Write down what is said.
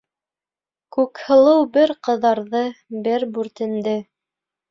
- Күкһылыу бер ҡыҙарҙы, бер бүртенде.